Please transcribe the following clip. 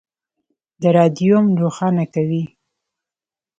د رادیوم روښانه کوي.